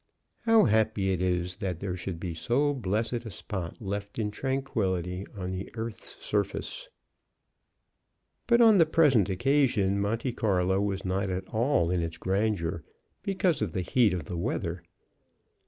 How happy it is that there should be so blessed a spot left in tranquillity on the earth's surface! But on the present occasion Monte Carlo was not in all its grandeur, because of the heat of the weather.